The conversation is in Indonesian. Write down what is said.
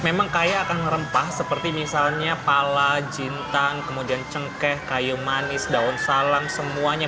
memang kaya akan rempah seperti misalnya pala jintan kemudian cengkeh kayu manis daun salam semuanya